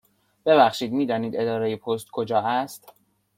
ببخشید، می دانید اداره پست کجا است؟